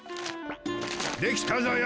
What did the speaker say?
できたぞよ。